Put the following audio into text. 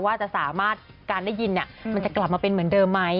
ว่าจะสามารถการได้ยินมันจะกลับมาเป็นเหมือนเดิมไหม